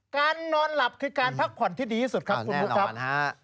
การนอนหลับคือการพักผ่อนที่ดีที่สุดครับคุณผู้ครับแน่นอนครับ